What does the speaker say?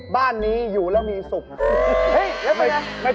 บ้านนี้อยู่แล้วมีสุขอะ